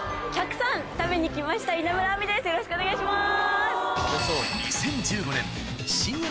さらによろしくお願いします。